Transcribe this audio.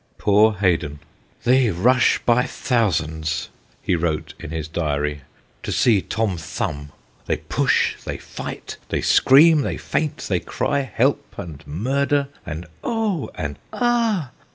Poor Haydon !' They rush by thousands,' he wrote in his diary, ' to see Tom Thumb. They push, they fight, they scream, they faint, they cry help ! and murder ! and oh ! and ah